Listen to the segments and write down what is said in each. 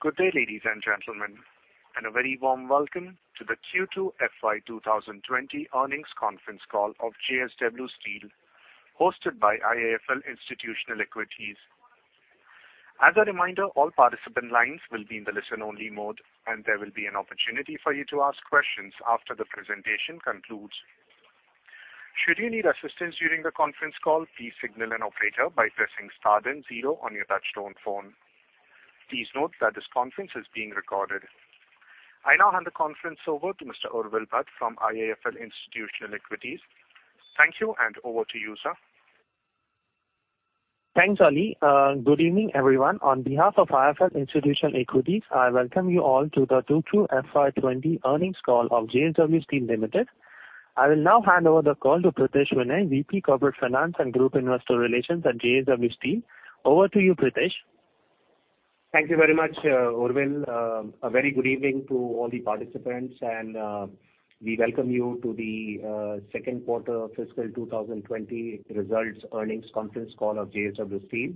Good day, ladies and gentlemen, and a very warm welcome to the Q2 FY 2020 earnings conference call of JSW Steel, hosted by IIFL Institutional Equities. As a reminder, all participant lines will be in the listen-only mode, and there will be an opportunity for you to ask questions after the presentation concludes. Should you need assistance during the conference call, please signal an operator by pressing star then zero on your touchtone phone. Please note that this conference is being recorded. I now hand the conference over to Mr. Urvil Bhatt from IIFL Institutional Equities. Thank you, and over to you, sir. Thanks, Ali. Good evening, everyone. On behalf of IIFL Institutional Equities, I welcome you all to the Q2 FY 2020 earnings call of JSW Steel Ltd. I will now hand over the call to Pritesh Vinay, VP Corporate Finance and Group Investor Relations at JSW Steel. Over to you, Pritesh. Thank you very much, Urvil. A very good evening to all the participants, and we welcome you to the second quarter of fiscal 2020 results earnings conference call of JSW Steel.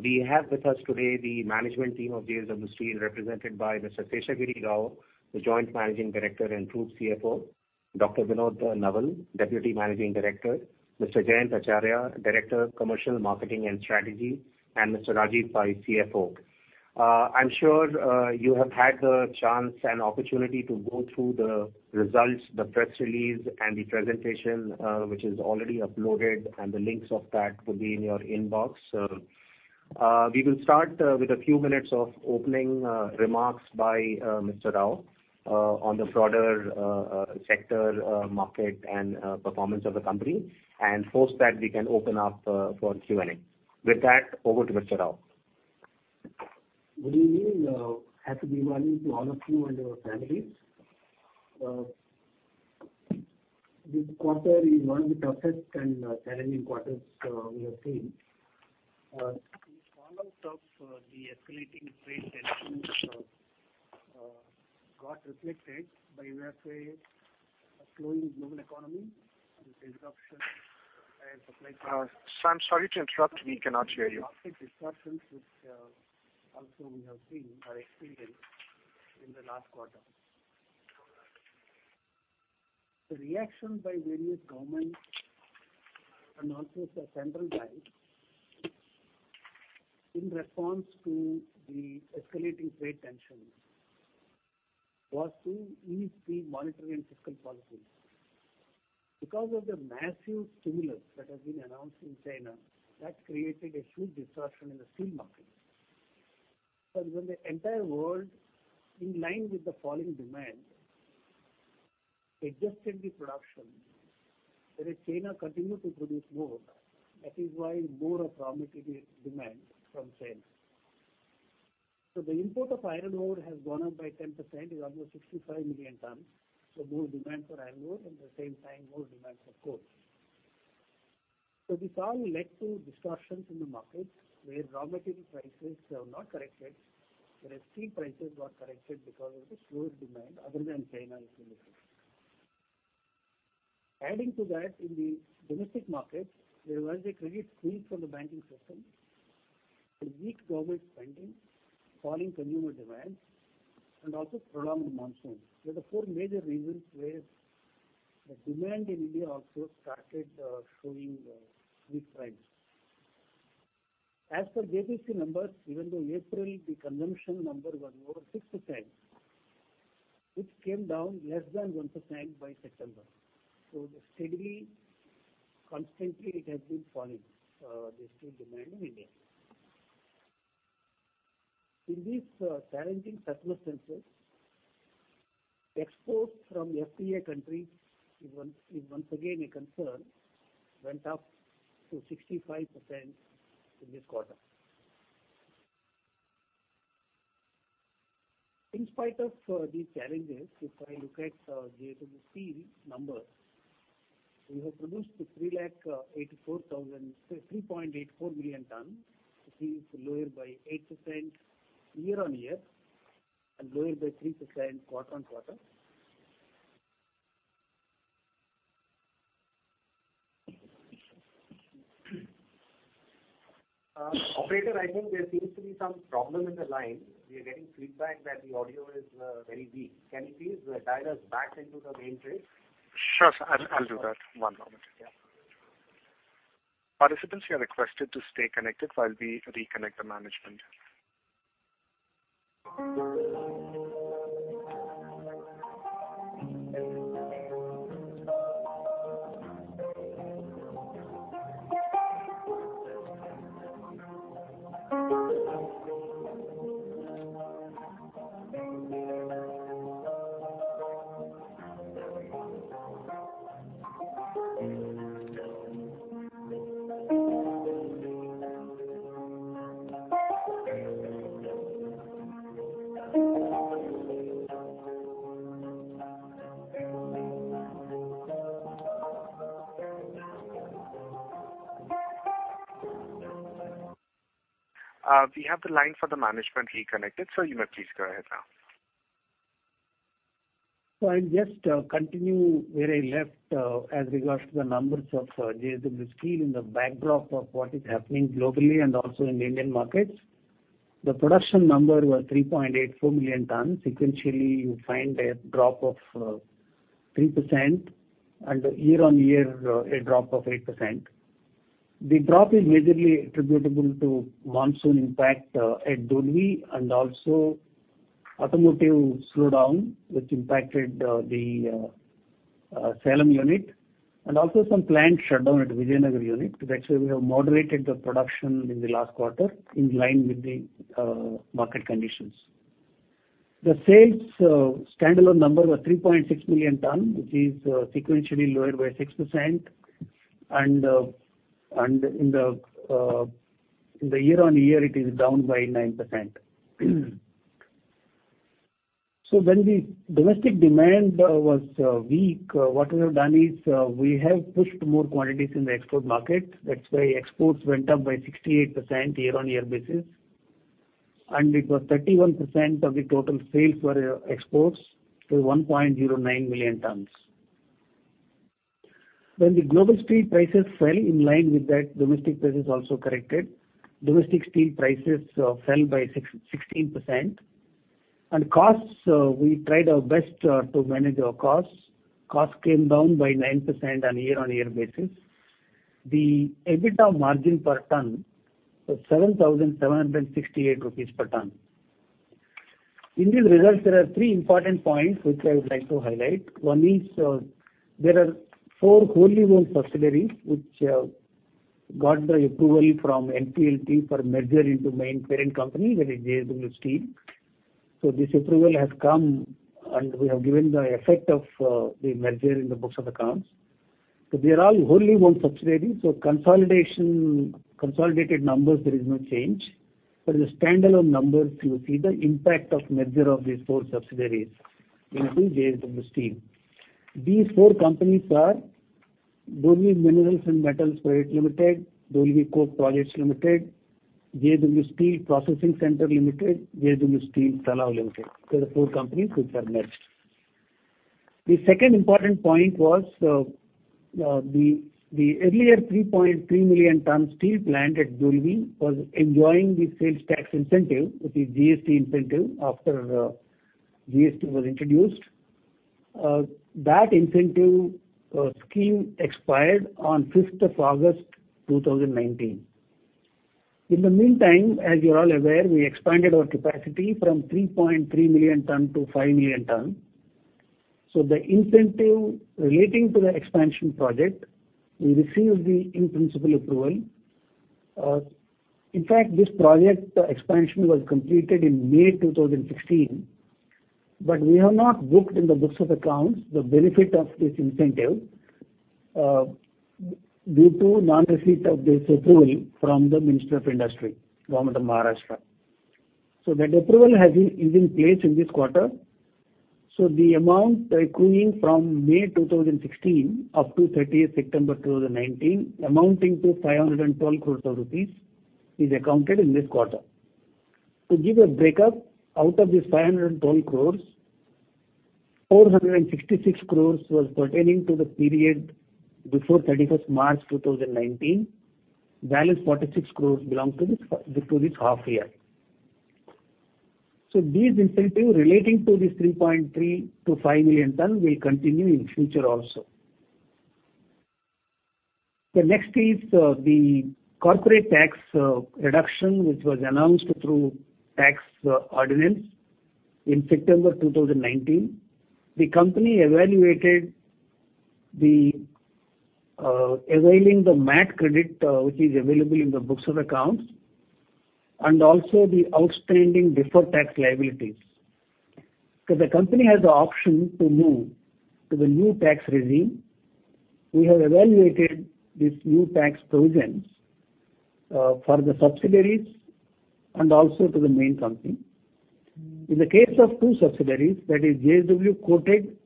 We have with us today the management team of JSW Steel, represented by Mr. Seshagiri Rao, the Joint Managing Director and Group CFO, Dr. Vinod Nowal, Deputy Managing Director, Mr. Jayant Acharya, Director of Commercial Marketing and Strategy, and Mr. Rajeev Pai, CFO. I'm sure you have had the chance and opportunity to go through the results, the press release, and the presentation, which is already uploaded, and the links of that will be in your inbox. We will start with a few minutes of opening remarks by Mr. Rao on the broader sector market and performance of the company, and post that, we can open up for Q&A. With that, over to Mr. Rao. Good evening and Happy Diwali to all of you and your families. This quarter is one-off the toughest and challenging quarters we have seen. In the context of the escalating trade tension, what is reflected by USA's slowing global economy and disruption in supply chains. Sir, I'm sorry to interrupt. We cannot hear you. Disruptions which also we have seen are experienced in the last quarter. The reaction by various governments and also the Central Bank in response to the escalating trade tensions was to ease the monetary and fiscal policy. Because of the massive stimulus that has been announced in China, that created a huge disruption in the steel market. When the entire world, in line with the falling demand, adjusted the production, China continued to produce more. That is why more of raw material demand from sales. The import of iron ore has gone up by 10%, is almost 65 million tons. More demand for iron ore and at the same time, more demand for coal. This all led to disruptions in the market where raw material prices have not corrected, whereas steel prices got corrected because of the slow demand, other than China is limited. Adding to that, in the domestic market, there was a credit squeeze from the banking system, weak government spending, falling consumer demand, and also prolonged monsoons. Those are the four major reasons where the demand in India also started showing weak trend. As for JPC numbers, even though in April, the consumption number was over 6%, it came down less than 1% by September. Steadily, constantly, it has been falling, the steel demand in India. In these challenging circumstances, exports from FTA countries is once again a concern, went up to 65% in this quarter. In spite of these challenges, if I look at JSW Steel numbers, we have produced 3.84 million tons, which is lower by 8% year-on-year and lower by 3% quarter-on-quarter. Operator, I think there seems to be some problem in the line. We are getting feedback that the audio is very weak. Can you please dial us back into the main conference? Sure, sir. I'll do that. One moment. Yeah. Participants, you are requested to stay connected while we reconnect the management. We have the line for the management reconnected, so you may please go ahead now. I'll just continue where I left as regards to the numbers of JSW Steel in the backdrop of what is happening globally and also in Indian markets. The production number was 3.84 million tons. Sequentially, you find a drop of 3% and year-on-year a drop of 8%. The drop is majorly attributable to monsoon impact at Dolvi and also automotive slowdown, which impacted the Salem unit and also some plant shutdown at Vijayanagar unit. That's why we have moderated the production in the last quarter in line with the market conditions. The sales standalone number was 3.6 million tons, which is sequentially lower by 6%, and in the year on year, it is down by 9%. When the domestic demand was weak, what we have done is we have pushed more quantities in the export market. That's why exports went up by 68% year on year basis, and it was 31% of the total sales were exports, so 1.09 million tons. When the global steel prices fell in line with that, domestic prices also corrected. Domestic steel prices fell by 16%. Costs, we tried our best to manage our costs. Costs came down by 9% on a year on year basis. The EBITDA margin per ton was 7,768 rupees per ton. In these results, there are three important points which I would like to highlight. One is there are four wholly owned subsidiaries which got the approval from NCLT for merger into main parent company, that is JSW Steel. This approval has come, and we have given the effect of the merger in the books of accounts. They are all wholly owned subsidiaries, so consolidated numbers, there is no change. The standalone numbers, you see the impact of merger of these four subsidiaries into JSW Steel. These four companies are Dolvi Minerals and Metals Pvt Ltd, Dolvi Coke Projects Ltd, JSW Steel Processing Centres Ltd, JSW Steel Salem Ltd. These are the four companies which are merged. The second important point was the earlier 3.3 million tons steel plant at Dolvi was enjoying the sales tax incentive, which is GST incentive after GST was introduced. That incentive scheme expired on 5th August 2019. In the meantime, as you're all aware, we expanded our capacity from 3.3 million ton to 5 million ton. The incentive relating to the expansion project, we received the in-principle approval. In fact, this project expansion was completed in May 2016, but we have not booked in the books of accounts the benefit of this incentive due to non-receipt of this approval from the Minister of Industry, Government of Maharashtra. That approval is in place in this quarter. The amount accruing from May 2016 up to 30 September 2019, amounting to 512 crores rupees, is accounted in this quarter. To give a breakup, out of these 512 crores, 466 crores was pertaining to the period before 31 March 2019. Balance 46 crores belongs to this half year. These incentives relating to these 3.3-5 million ton will continue in future also. The next is the corporate tax reduction, which was announced through tax ordinance in September 2019. The company evaluated the availing the MAT credit, which is available in the books of accounts, and also the outstanding deferred tax liabilities. The company has the option to move to the new tax regime. We have evaluated this new tax provisions for the subsidiaries and also to the main company. In the case of two subsidiaries, that is JSW Coated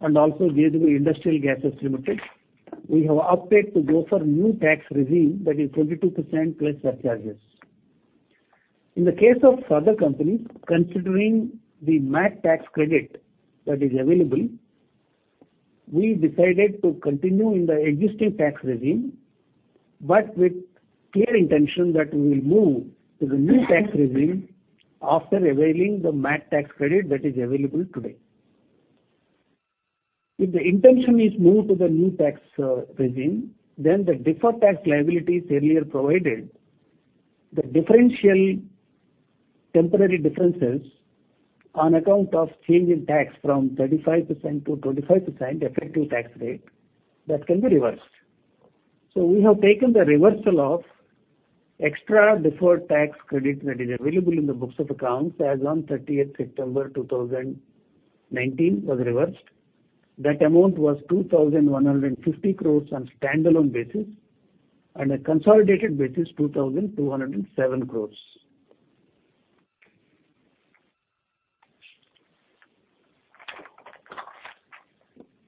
and also JSW Industrial Gases Ltd, we have opted to go for new tax regime, that is 22% plus surcharges. In the case of other companies, considering the MAT tax credit that is available, we decided to continue in the existing tax regime, but with clear intention that we will move to the new tax regime after availing the MAT tax credit that is available today. If the intention is moved to the new tax regime, then the deferred tax liabilities earlier provided, the differential temporary differences on account of change in tax from 35% to 25% effective tax rate, that can be reversed. We have taken the reversal of extra deferred tax credit that is available in the books of accounts as on 30 September 2019 was reversed. That amount was 2,150 crores on standalone basis, and on a consolidated basis 2,207 crores.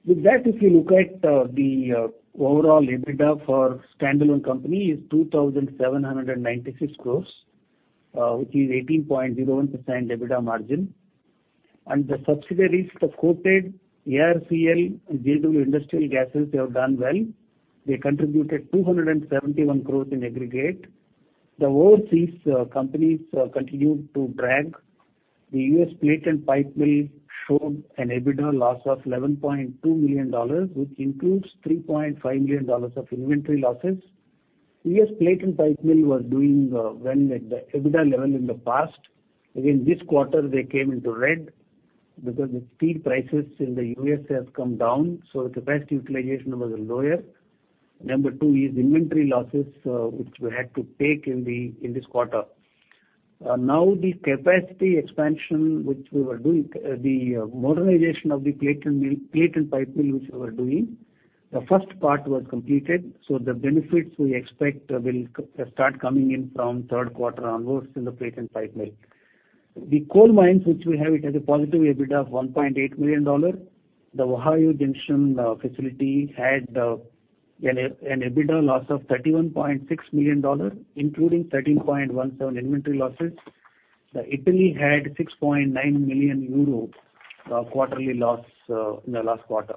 With that, if you look at the overall EBITDA for standalone company, it is 2,796 crores, which is 18.01% EBITDA margin. The subsidiaries, the Coated, JSW Steel Coated Products Ltd, and JSW Industrial Gases Ltd have done well. They contributed 271 crores in aggregate. The overseas companies continued to drag. The U.S. Plate and Pipe Mill showed an EBITDA loss of $11.2 million, which includes $3.5 million of inventory losses. U.S. Plate and Pipe Mill was doing well at the EBITDA level in the past. Again, this quarter, they came into red because the steel prices in the U.S. have come down, so the capacity utilization was lower. Number two is inventory losses, which we had to take in this quarter. Now, the capacity expansion, which we were doing, the modernization of the Plate and Pipe Mill, which we were doing, the first part was completed. The benefits we expect will start coming in from third quarter onwards in the Plate and Pipe Mill. The coal mines, which we have, it has a positive EBITDA of $1.8 million. The Mingo Junction facility had an EBITDA loss of $31.6 million, including $13.17 million inventory losses. Italy had 6.9 million euro quarterly loss in the last quarter.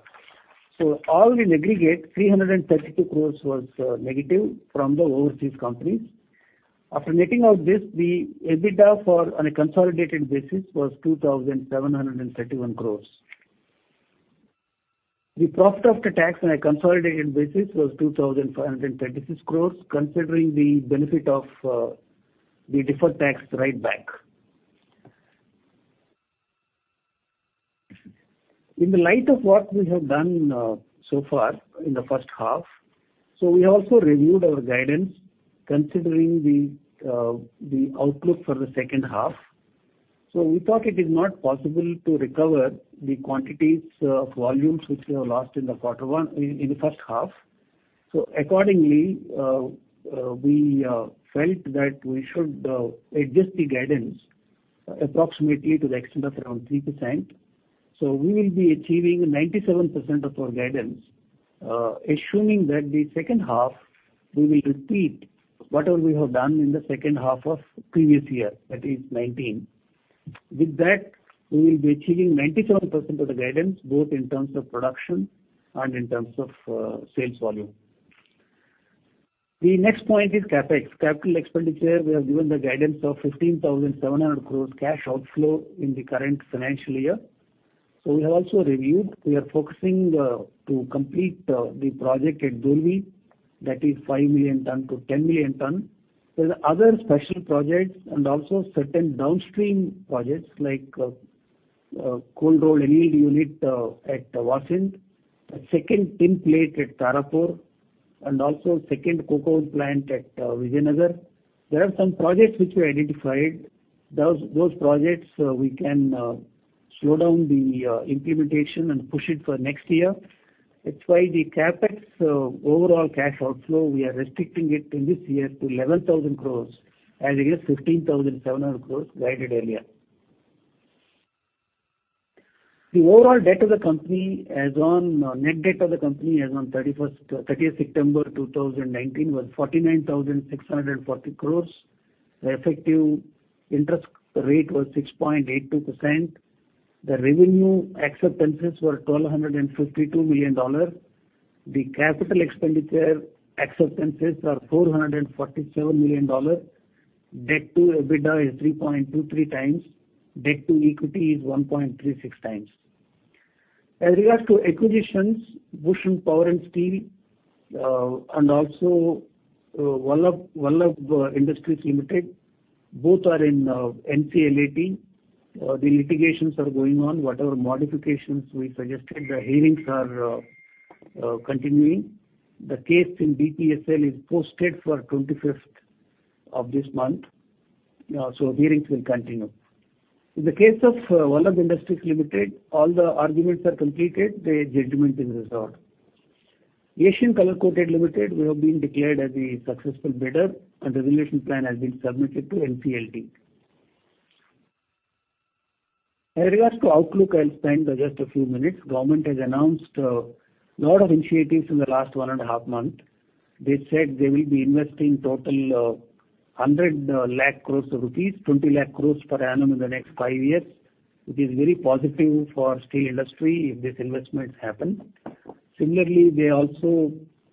All in aggregate, 332 crores was negative from the overseas companies. After netting out this, the EBITDA on a consolidated basis was 2,731 crores. The profit after tax on a consolidated basis was 2,536 crores, considering the benefit of the deferred tax right back. In the light of what we have done so far in the first half, we have also reviewed our guidance, considering the outlook for the second half. We thought it is not possible to recover the quantities of volumes which we have lost in the first half. Accordingly, we felt that we should adjust the guidance approximately to the extent of around 3%. We will be achieving 97% of our guidance, assuming that the second half, we will repeat whatever we have done in the second half of previous year, that is 2019. With that, we will be achieving 97% of the guidance, both in terms of production and in terms of sales volume. The next point is CapEx. Capital expenditure, we have given the guidance of 15,700 crores cash outflow in the current financial year. We have also reviewed. We are focusing to complete the project at Dolvi, that is 5 million ton to 10 million ton. There are other special projects and also certain downstream projects like cold roll and CAL unit at Vasind, a second Tinplate at Tarapur, and also second coke plant at Vijayanagar. There are some projects which we identified. Those projects, we can slow down the implementation and push it for next year. That's why the CapEx overall cash outflow, we are restricting it in this year to 11,000 crores, as against 15,700 crores guided earlier. The overall debt of the company as on net debt of the company as on 30 September 2019 was 49,640 crores. The effective interest rate was 6.82%. The revenue acceptances were $1,252 million. The capital expenditure acceptances are $447 million. Debt to EBITDA is 3.23 times. Debt to equity is 1.36 times. As regards to acquisitions, Bhushan Power and Steel and also Vallabh Tinplate Pvt Ltd, both are in NCLAT. The litigations are going on. Whatever modifications we suggested, the hearings are continuing. The case in BPSL is posted for 25th of this month, so hearings will continue. In the case of Vallabh Tinplate Pvt Ltd, all the arguments are completed. The judgment is resolved. Asian Colour Coated Ispat Ltd, we have been declared as a successful bidder, and the resolution plan has been submitted to NCLT. As regards to outlook, I'll spend just a few minutes. Government has announced a lot of initiatives in the last one and a half months. They said they will be investing total 100 lakh crores rupees to rupees 20 lakh crores per annum in the next five years, which is very positive for steel industry if these investments happen. Similarly, they also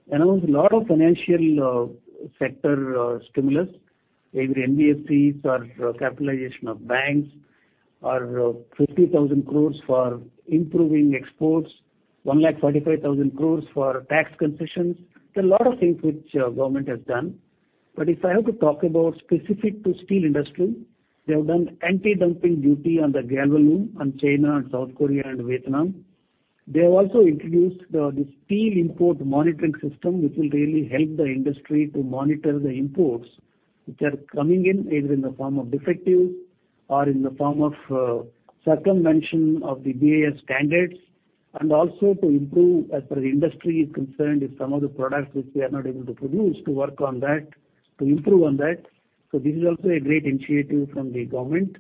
announced a lot of financial sector stimulus. Either NBFCs or capitalization of banks are 50,000 crores for improving exports, 1,45,000 crores for tax concessions. There are a lot of things which government has done. If I have to talk about specific to steel industry, they have done anti-dumping duty on the Galvalume on China and South Korea and Vietnam. They have also introduced the Steel Import Monitoring System, which will really help the industry to monitor the imports which are coming in either in the form of defectives or in the form of circumvention of the BIS standards, and also to improve as far as the industry is concerned if some of the products which we are not able to produce to work on that, to improve on that. This is also a great initiative from the government.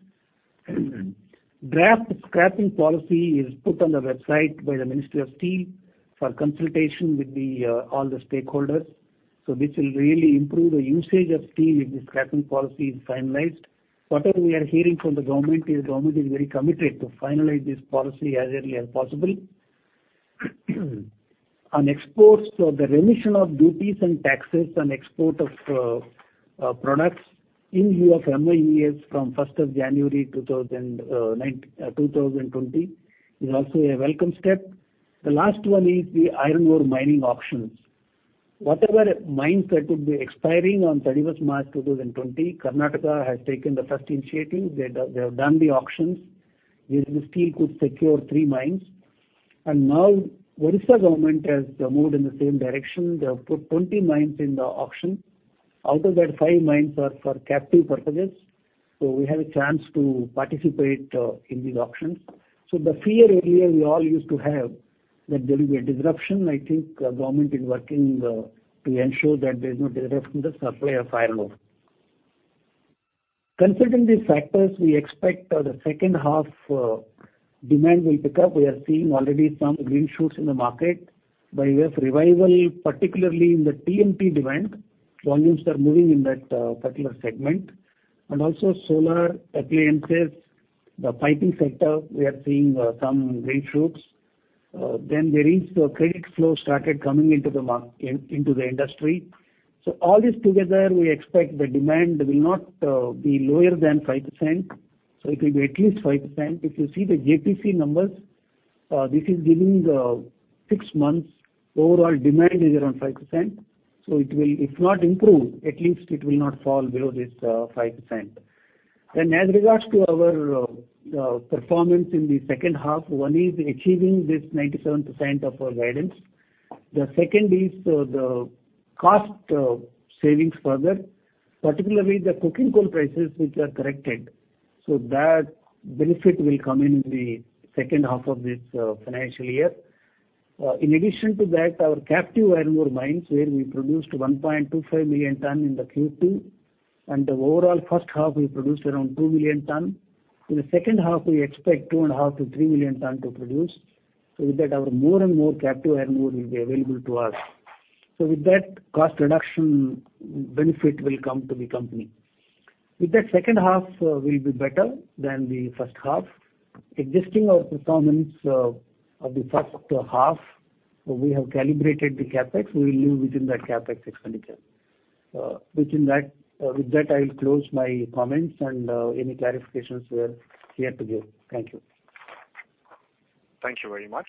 Draft Scrapping Policy is put on the website by the Ministry of Steel for consultation with all the stakeholders. This will really improve the usage of steel if the scrapping policy is finalized. Whatever we are hearing from the government is government is very committed to finalize this policy as early as possible. On exports, the remission of duties and taxes on export of products in view of MEIS from 1st of January 2020 is also a welcome step. The last one is the iron ore mining auctions. Whatever mines that would be expiring on 31st March 2020, Karnataka has taken the first initiative. They have done the auctions where the steel could secure three mines. Now, Odisha government has moved in the same direction. They have put 20 mines in the auction. Out of that, five mines are for captive purposes. We have a chance to participate in these auctions. The fear earlier, we all used to have that there will be a disruption. I think government is working to ensure that there is no disruption to the supply of iron ore. Considering these factors, we expect the second half demand will pick up. We are seeing already some green shoots in the market by way of revival, particularly in the TMT demand. Volumes are moving in that particular segment. Also, solar appliances, the piping sector, we are seeing some green shoots. There is credit flow started coming into the industry. All this together, we expect the demand will not be lower than 5%. It will be at least 5%. If you see the JPC numbers, this is giving six months overall demand is around 5%. If not improve, at least it will not fall below this 5%. As regards to our performance in the second half, one is achieving this 97% of our guidance. The second is the cost savings further, particularly the coking coal prices which are corrected. That benefit will come in in the second half of this financial year. In addition to that, our captive iron ore mines where we produced 1.25 million ton in the Q2, and the overall first half, we produced around 2 million ton. In the second half, we expect 2.5-3 million ton to produce. With that, our more and more captive iron ore will be available to us. With that, cost reduction benefit will come to the company. With that, second half will be better than the first half. Existing our performance of the first half, we have calibrated the CapEx. We will live within that CapEx expenditure. With that, I'll close my comments and any clarifications we are here to give. Thank you. Thank you very much.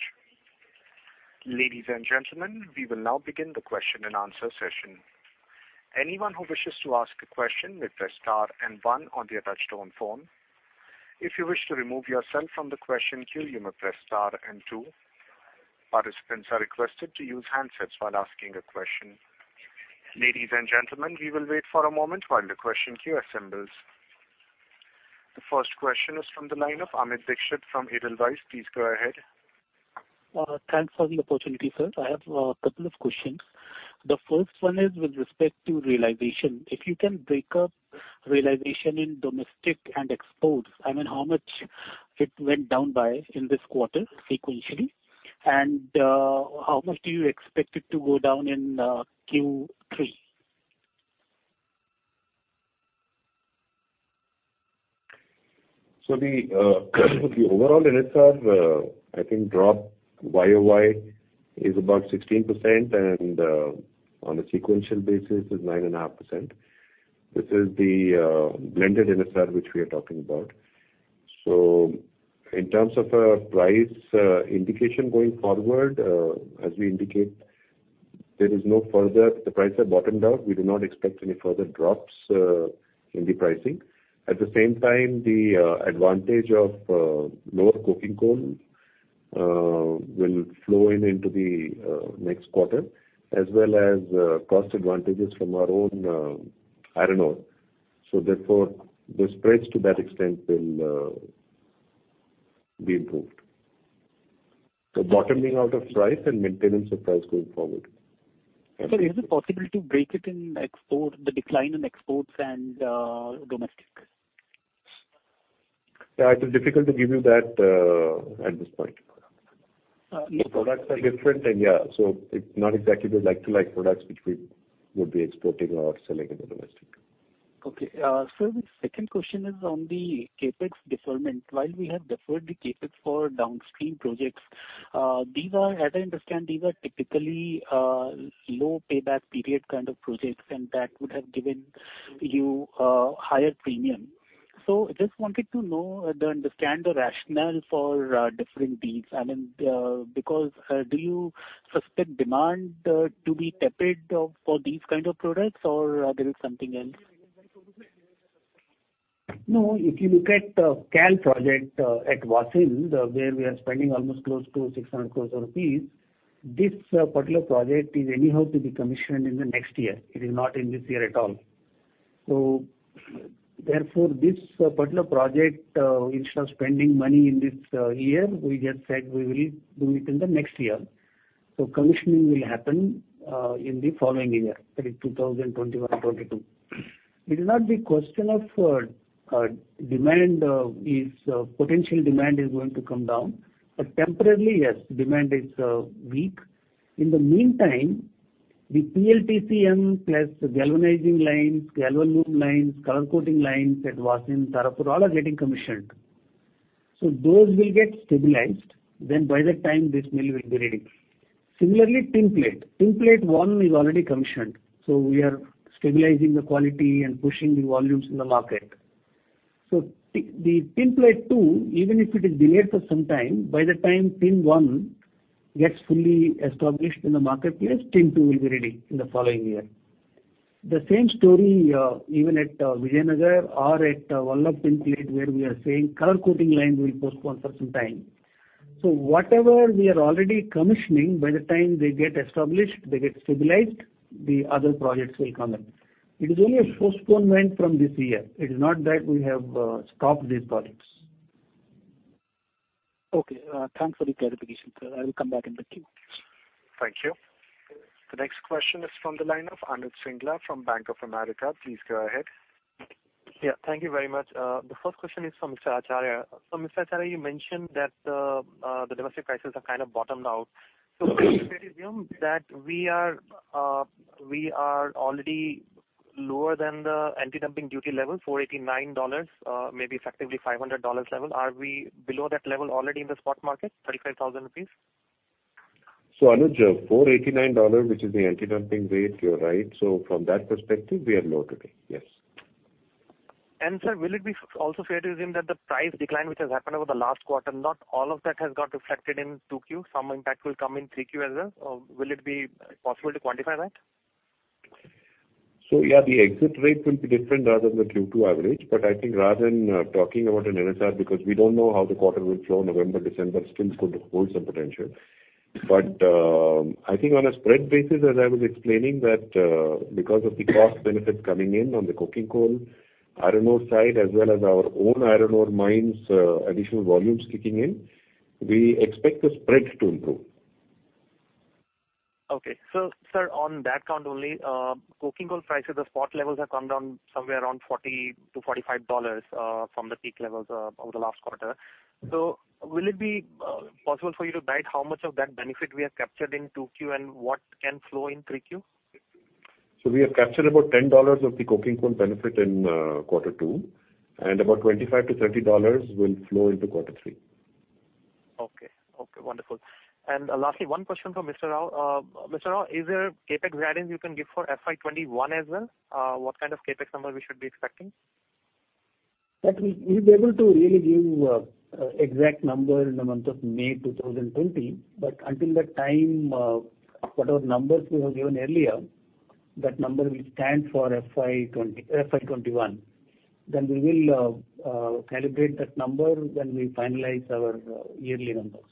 Ladies and gentlemen, we will now begin the question and answer session. Anyone who wishes to ask a question may press star and one on the touchtone phone. If you wish to remove yourself from the question queue, you may press star and two. Participants are requested to use handsets while asking a question. Ladies and gentlemen, we will wait for a moment while the question queue assembles. The first question is from the line of Amit Dixit from Edelweiss. Please go ahead. Thanks for the opportunity, sir. I have a couple of questions. The first one is with respect to realization. If you can break up realization in domestic and exports, I mean, how much it went down by in this quarter sequentially, and how much do you expect it to go down in Q3? The overall NSR, I think drop year-on-year is about 16%, and on a sequential basis, it is 9.5%. This is the blended NSR which we are talking about. In terms of price indication going forward, as we indicate, there is no further, the price has bottomed out. We do not expect any further drops in the pricing. At the same time, the advantage of lower coking coal will flow in into the next quarter, as well as cost advantages from our own iron ore. Therefore, the spreads to that extent will be improved. The bottoming out of price and maintenance of price going forward. Is it possible to break it in export, the decline in exports and domestic? Yeah, it is difficult to give you that at this point. The products are different, and yeah, so it's not exactly the like-to-like products which we would be exporting or selling in the domestic. Okay. The second question is on the CapEx deferment. While we have deferred the CapEx for downstream projects, as I understand, these are typically low payback period kind of projects, and that would have given you a higher premium. I just wanted to know the understand the rationale for deferring these. I mean, because do you suspect demand to be tepid for these kind of products, or there is something else? No, if you look at the CAL project at Vasind, where we are spending almost close to 600 crores rupees, this particular project is anyhow to be commissioned in the next year. It is not in this year at all. Therefore, this particular project, instead of spending money in this year, we just said we will do it in the next year. Commissioning will happen in the following year, that is 2021-2022. It is not the question of demand; potential demand is going to come down. Temporarily, yes, demand is weak. In the meantime, the PLTCM plus galvanizing lines, galvalume lines, color coating lines at Vasind, Tarapur, all are getting commissioned. Those will get stabilized. By that time, this mill will be ready. Similarly, Tinplate one is already commissioned. We are stabilizing the quality and pushing the volumes in the market. Tin plate two, even if it is delayed for some time, by the time tin one gets fully established in the marketplace, tin two will be ready in the following year. The same story even at Vijayanagar or at Vallabh Tinplate, where we are saying color coating lines will postpone for some time. Whatever we are already commissioning, by the time they get established, they get stabilized, the other projects will come in. It is only a postponement from this year. It is not that we have stopped these projects. Okay. Thanks for the clarification, sir. I will come back in the queue. Thank you. The next question is from the line of Anuj Singla from Bank of America. Please go ahead. Yeah, thank you very much. The first question is for Mr. Acharya. So Mr. Acharya, you mentioned that the domestic prices have kind of bottomed out. Could you confirm that we are already lower than the anti-dumping duty level, $489, maybe effectively $500 level? Are we below that level already in the spotmarket, 35,000 rupees? So Anuj, $489, which is the anti-dumping rate, you are right. From that perspective, we are low today. Yes. Sir, will it be also fair to assume that the price decline which has happened over the last quarter, not all of that has got reflected in Q2? Some impact will come in Q3 as well. Will it be possible to quantify that? Yeah, the exit rate will be different rather than the Q2 average. I think rather than talking about an NSR, because we do not know how the quarter will flow, November, December still could hold some potential. I think on a spread basis, as I was explaining, that because of the cost benefits coming in on the coking coal, iron ore side, as well as our own iron ore mines, additional volumes kicking in, we expect the spread to improve. Okay. Sir, on that count only, coking coal prices, the spot levels have come down somewhere around $40-$45 from the peak levels over the last quarter. Will it be possible for you to guide how much of that benefit we have captured in Q2 and what can flow in Q3? We have captured about $10 of the coking coal benefit in quarter two, and about $25-$30 will flow into quarter three. Okay. Okay. Wonderful. Lastly, one question for Mr. Rao. Mr. Rao, is there CapEx guidance you can give for FY2021 as well? What kind of CapEx number should we be expecting? We will be able to really give the exact number in the month of May 2020. Until that time, whatever numbers we have given earlier, that number will stand for FY2021. We will calibrate that number when we finalize our yearly numbers.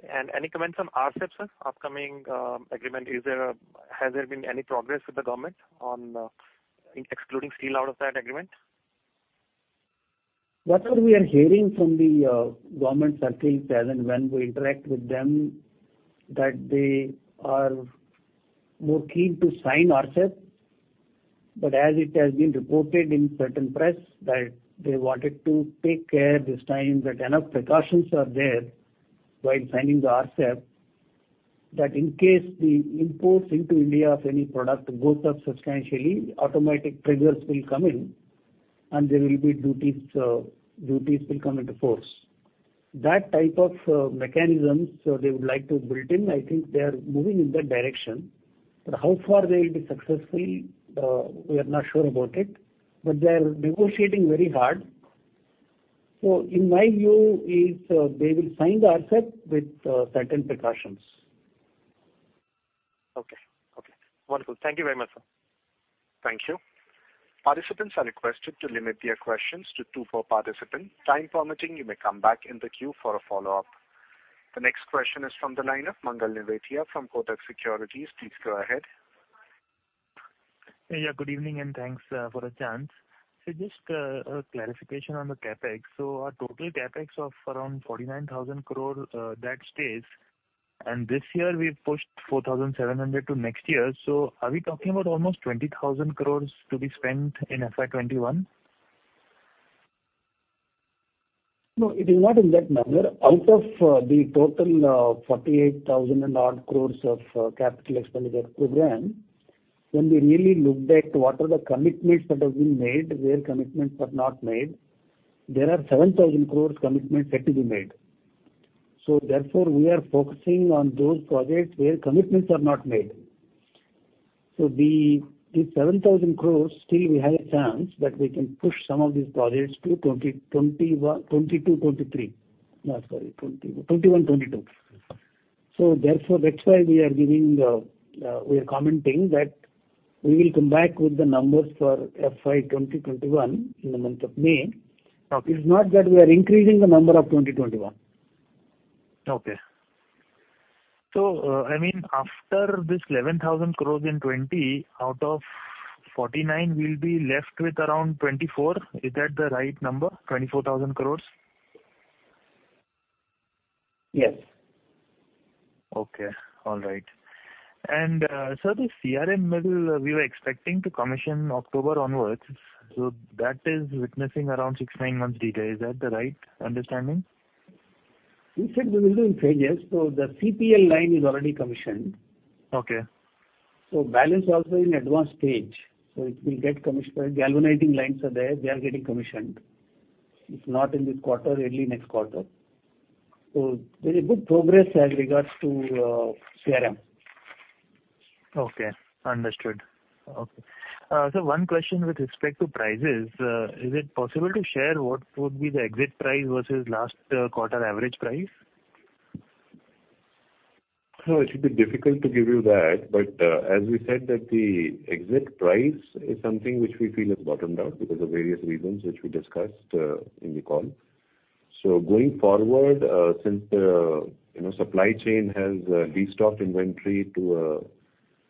Okay. Any comments on RCEP, sir? Upcoming agreement, has there been any progress with the government on excluding steel out of that agreement? Whatever we are hearing from the government circles, as and when we interact with them, they are more keen to sign RCEP. As it has been reported in certain press, they wanted to take care this time that enough precautions are there while signing the RCEP, that in case the imports into India of any product go up substantially, automatic triggers will come in, and there will be duties will come into force. That type of mechanisms they would like to build in. I think they are moving in that direction. How far they will be successful, we are not sure about it. They are negotiating very hard. In my view, they will sign the RCEP with certain precautions. Okay. Okay. Wonderful. Thank you very much, sir. Thank you. Participants are requested to limit their questions to two per participant. Time permitting, you may come back in the queue for a follow-up. The next question is from the line of Sumangal Nevatia from Kotak Securities. Please go ahead. Yeah, good evening and thanks for the chance. Just a clarification on the CapEx. Our total CapEx of around 49,000 crore, that stays. This year, we've pushed 4,700 crore to next year. Are we talking about almost 20,000 crore to be spent in FY2021? No, it is not in that manner. Out of the total 48,000 crore of capital expenditure program, when we really looked at what are the commitments that have been made, where commitments are not made, there are 7,000 crore commitments yet to be made. Therefore, we are focusing on those projects where commitments are not made. These 7,000 crore, still we have a chance that we can push some of these projects to 2021-2022. No, sorry, 2020-2021. Therefore, that is why we are commenting that we will come back with the numbers for FY20-21 in the month of May. It is not that we are increasing the number of 2021. Okay. I mean, after this 11,000 crore in 2020, out of 49, we will be left with around 24. Is that the right number, 24,000 crore? Yes. Okay. All right. Sir, the CRM mill, we were expecting to commission October onwards. That is witnessing around six-nine months delay. Is that the right understanding? We said we will do in three years. The CPL line is already commissioned. Balance also in advance stage. It will get commissioned. The galvanizing lines are there. They are getting commissioned. If not in this quarter, early next quarter. There is good progress as regards to CRM. Okay. Understood. Okay. One question with respect to prices. Is it possible to share what would be the exit price versus last quarter average price? It will be difficult to give you that. As we said, the exit price is something which we feel has bottomed out because of various reasons which we discussed in the call. Going forward, since the supply chain has restocked inventory to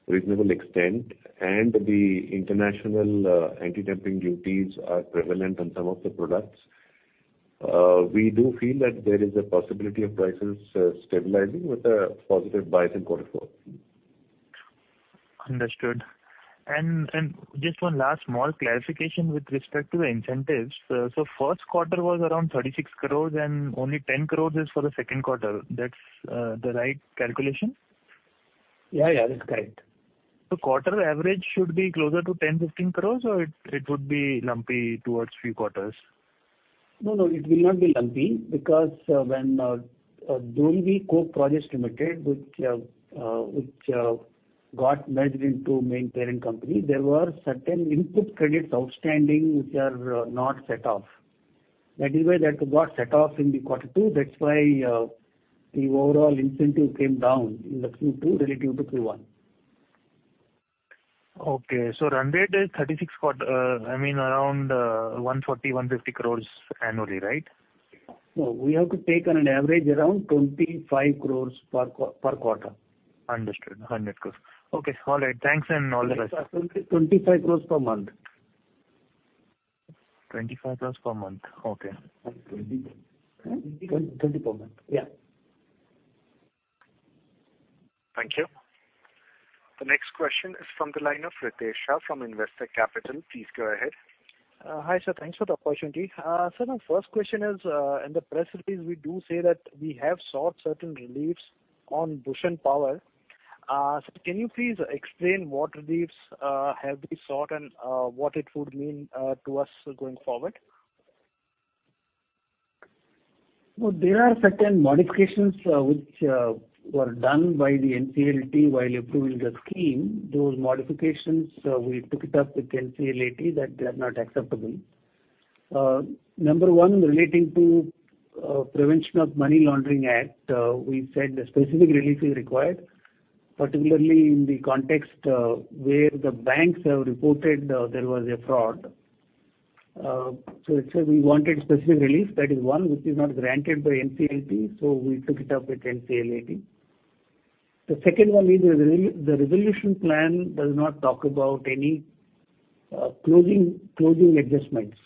a reasonable extent, and the international anti-dumping duties are prevalent on some of the products, we do feel that there is a possibility of prices stabilizing with a positive bias in quarter four. Understood. Just one last small clarification with respect to the incentives. First quarter was around 36 crore, and only 10 crore is for the second quarter. That's the right calculation? Yeah, yeah, that's correct. Quarter average should be closer to 10 crore, 15 crore, or it would be lumpy towards few quarters? No, no, it will not be lumpy because when Dolvi Coke Projects Ltd, which got merged into main parent company, there were certain input credits outstanding which are not set off. That is why that got set off in the quarter two. That's why the overall incentive came down in the Q2 relative to Q1. Okay. So run rate is INR 36, I mean, around 140 crore, 150 crore annually, right? No, we have to take on an average around 25 crore per quarter. Understood. 100 crore. Okay. All right. Thanks and all the best. 25 crore per month. 25 crore per month. Okay. 20 per month. Yeah. Thank you. The next question is from the line of Ritesh Shah from Investec Capital. Please go ahead. Hi sir, thanks for the opportunity. Sir, my first question is, in the press release, we do say that we have sought certain reliefs on Bhushan Power. Sir, can you please explain what reliefs have we sought and what it would mean to us going forward? There are certain modifications which were done by the NCLT while approving the scheme. Those modifications, we took it up with NCLT that they are not acceptable. Number one, relating to Prevention of Money Laundering Act, we said the specific relief is required, particularly in the context where the banks have reported there was a fraud. We said we wanted specific relief. That is one, which is not granted by NCLT. We took it up with NCLT. The second one is the resolution plan does not talk about any closing adjustments.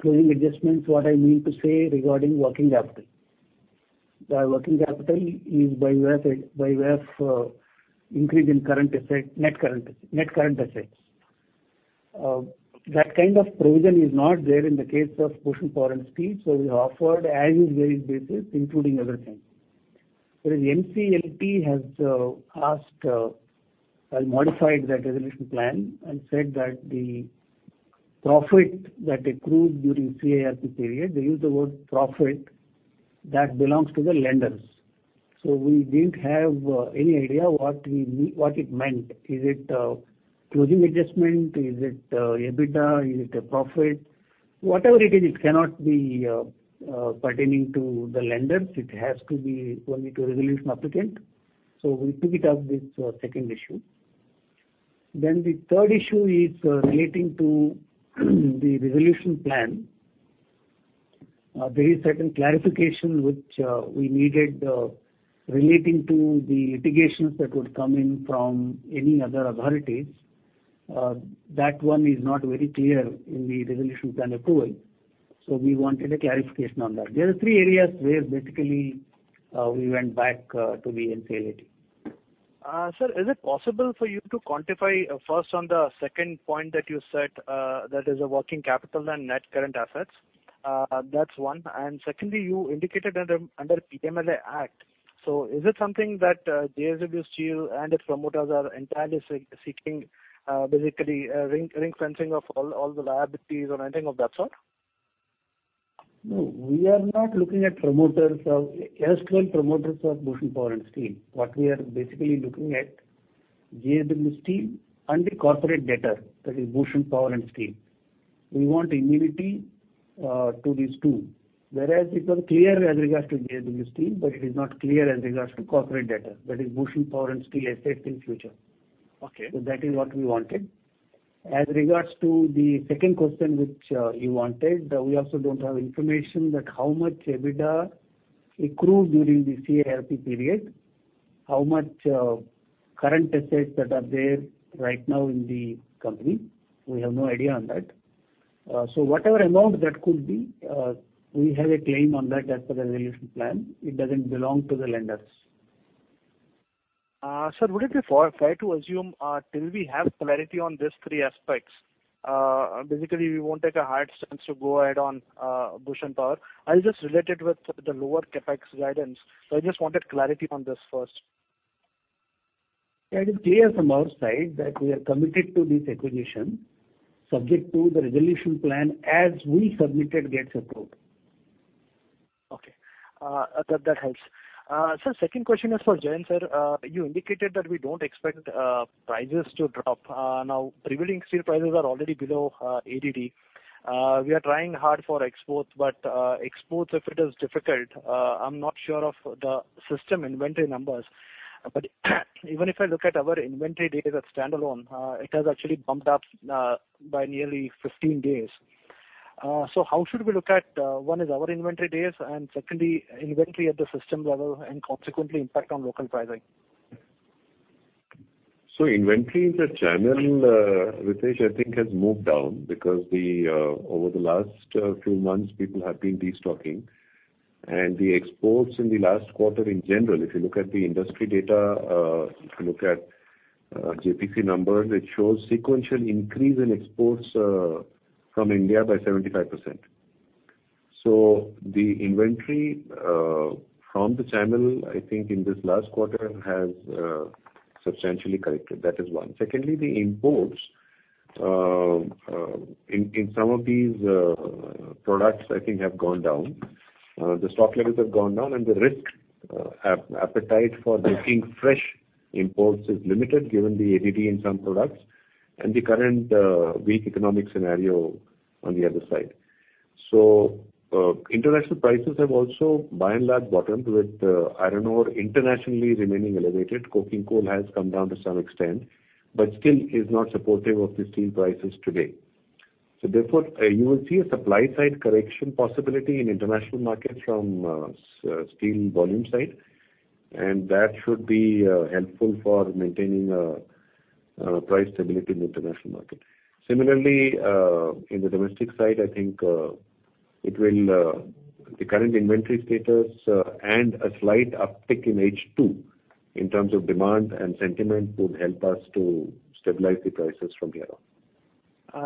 Closing adjustments, what I mean to say regarding working capital. The working capital is by way of increase in current asset, net current assets. That kind of provision is not there in the case of Bhushan Power and Steel. We offered as-is very basis, including everything. NCLT has asked, has modified that resolution plan and said that the profit that accrued during CIRP period, they use the word profit, that belongs to the lenders. We did not have any idea what it meant. Is it closing adjustment? Is it EBITDA? Is it a profit? Whatever it is, it cannot be pertaining to the lenders. It has to be only to resolution applicant. We took it up with second issue. The third issue is relating to the resolution plan. There is certain clarification which we needed relating to the litigations that would come in from any other authorities. That one is not very clear in the resolution plan approval. We wanted a clarification on that. There are three areas where basically we went back to the NCLT. Sir, is it possible for you to quantify first on the second point that you said, that is the working capital and net current assets? That is one. Secondly, you indicated under PMLA Act. Is it something that JSW Steel and its promoters are entirely seeking, basically ring-fencing of all the liabilities or anything of that sort? No, we are not looking at promoters or erstwhile promoters of Bhushan Power and Steel. What we are basically looking at is JSW Steel and the corporate debtor, that is Bhushan Power and Steel. We want immunity to these two. Whereas it was clear as regards to JSW Steel, but it is not clear as regards to corporate debtor, that is Bhushan Power and Steel assets in future. That is what we wanted. As regards to the second question which you wanted, we also do not have information that how much EBITDA accrued during the CIRP period, how much current assets that are there right now in the company. We have no idea on that. Whatever amount that could be, we have a claim on that as per the resolution plan. It does not belong to the lenders. Sir, would it be fair to assume till we have clarity on these three aspects, basically we will not take a hard stance to go ahead on Bhushan Power? I will just relate it with the lower CapEx guidance. I just wanted clarity on this first. Yeah, it is clear from our side that we are committed to this acquisition, subject to the resolution plan as we submitted gets approved. Okay. That helps. Sir, second question is for Jayant sir. You indicated that we don't expect prices to drop. Now, prevailing steel prices are already below 80D. We are trying hard for exports, but exports, if it is difficult, I'm not sure of the system inventory numbers. Even if I look at our inventory data standalone, it has actually bumped up by nearly 15 days. How should we look at one is our inventory days and secondly, inventory at the system level and consequently impact on local pricing? Inventory in the channel, Ritesh, I think has moved down because over the last few months, people have been destocking. The exports in the last quarter in general, if you look at the industry data, if you look at JPC numbers, it shows sequential increase in exports from India by 75%. The inventory from the channel, I think in this last quarter has substantially corrected. That is one. Secondly, the imports in some of these products, I think have gone down. The stock levels have gone down, and the risk appetite for making fresh imports is limited given the anti-dumping duty in some products and the current weak economic scenario on the other side. International prices have also by and large bottomed with iron ore internationally remaining elevated. Coking coal has come down to some extent, but still is not supportive of the steel prices today. Therefore, you will see a supply side correction possibility in international markets from steel volume side, and that should be helpful for maintaining price stability in the international market. Similarly, in the domestic side, I think the current inventory status and a slight uptick in H2 in terms of demand and sentiment would help us to stabilize the prices from here on.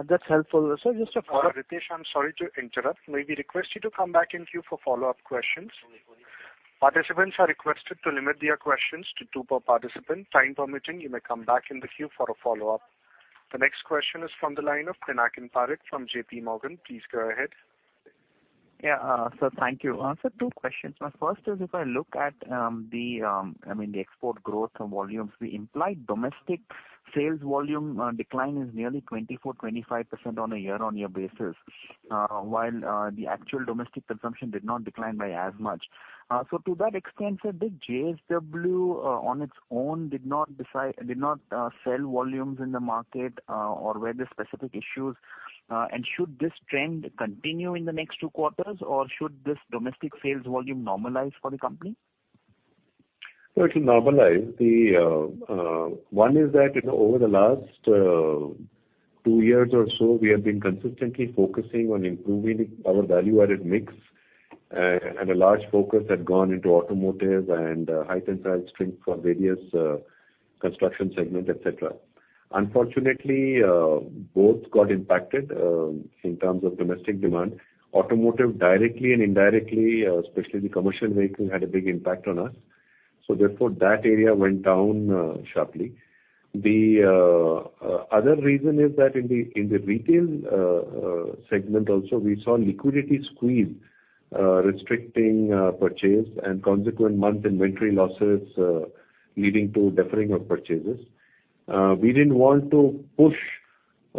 That's helpful. Sir, just a follow-up. Ritesh, I'm sorry to interrupt. May we request you to come back in queue for follow-up questions? Participants are requested to limit their questions to two per participant. Time permitting, you may come back in the queue for a follow-up. The next question is from the line of Pinakin Parekh from JPMorgan. Please go ahead. Yeah. Sir, thank you. Sir, two questions. My first is if I look at the, I mean, the export growth volumes, the implied domestic sales volume decline is nearly 24-25% on a year-on-year basis, while the actual domestic consumption did not decline by as much. To that extent, sir, did JSW on its own did not sell volumes in the market or were there specific issues? Should this trend continue in the next two quarters, or should this domestic sales volume normalize for the company? Sir. it will normalize. One is that over the last two years or so, we have been consistently focusing on improving our value-added mix, and a large focus had gone into automotive and high tensile strength for various construction segments, etc. Unfortunately, both got impacted in terms of domestic demand. Automotive directly and indirectly, especially the commercial vehicle, had a big impact on us. Therefore, that area went down sharply. The other reason is that in the retail segment also, we saw liquidity squeeze restricting purchase and consequent month inventory losses leading to deferring of purchases. We did not want to push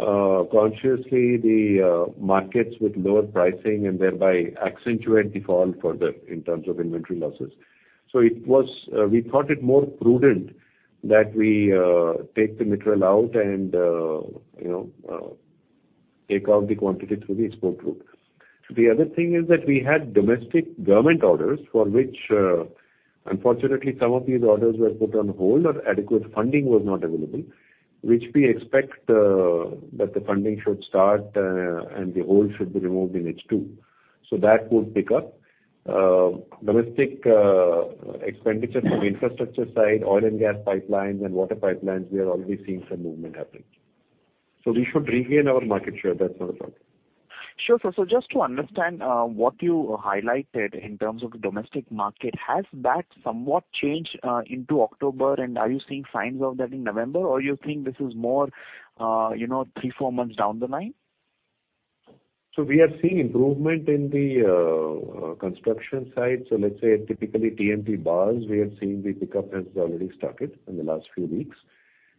consciously the markets with lower pricing and thereby accentuate the fall further in terms of inventory losses. We thought it more prudent that we take the material out and take out the quantity through the export route. The other thing is that we had domestic government orders for which, unfortunately, some of these orders were put on hold or adequate funding was not available, which we expect that the funding should start and the hold should be removed in H2. That would pick up. Domestic expenditure from infrastructure side, oil and gas pipelines and water pipelines, we are already seeing some movement happening. We should regain our market share. That's not a problem. Sure, sir. Just to understand what you highlighted in terms of the domestic market, has that somewhat changed into October, and are you seeing signs of that in November, or are you thinking this is more three, four months down the line? We are seeing improvement in the construction side. Let's say typically TMT bars, we are seeing the pickup has already started in the last few weeks.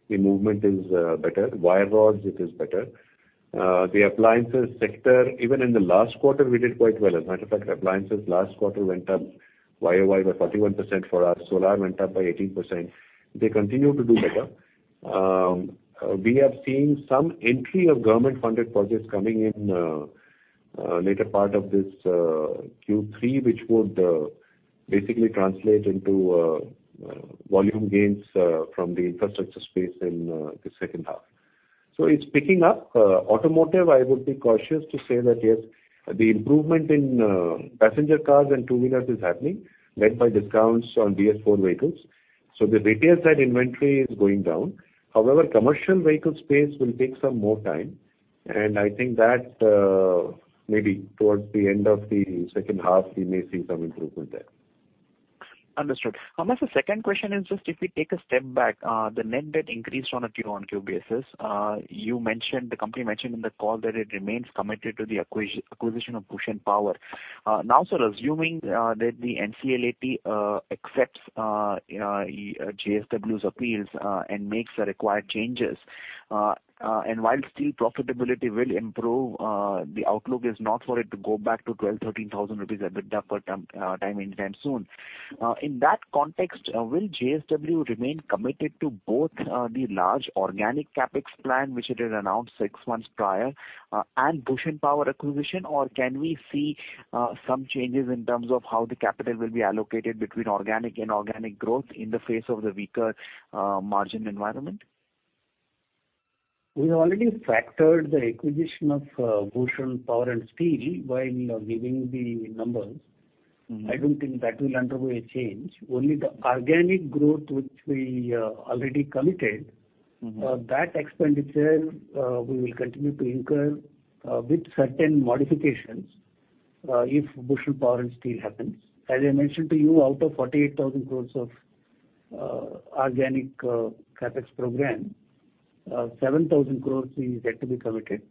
The movement is better. Wire rods, it is better. The appliances sector, even in the last quarter, we did quite well. As a matter of fact, appliances last quarter went up year-on-year by 41% for us. Solar went up by 18%. They continue to do better. We are seeing some entry of government-funded projects coming in later part of this Q3, which would basically translate into volume gains from the infrastructure space in the second half. It is picking up. Automotive, I would be cautious to say that yes, the improvement in passenger cars and two-wheelers is happening, led by discounts on BS4 vehicles. The retail side inventory is going down. However, commercial vehicle space will take some more time. I think that maybe towards the end of the second half, we may see some improvement there. Understood. My second question is just if we take a step back, the net debt increased on a year-on-year basis. The company mentioned in the call that it remains committed to the acquisition of Bhushan Power. Now, sir, assuming that the NCLT accepts JSW's appeals and makes the required changes, and while steel profitability will improve, the outlook is not for it to go back to 12,000-13,000 rupees EBITDA per ton anytime soon. In that context, will JSW remain committed to both the large organic CapEx plan, which it had announced six months prior, and Bhushan Power acquisition, or can we see some changes in terms of how the capital will be allocated between organic and inorganic growth in the face of the weaker margin environment? We have already factored the acquisition of Bhushan Power and Steel while giving the numbers. I do not think that will undergo a change. Only the organic growth, which we already committed, that expenditure we will continue to incur with certain modifications if Bhushan Power and Steel happens. As I mentioned to you, out of 48,000 crores of organic CapEx program, 7,000 crores is yet to be committed.